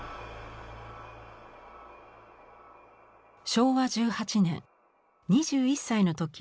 昭和１８年２１歳の時